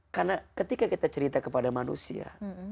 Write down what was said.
karena ketika kita cerita kepada manusia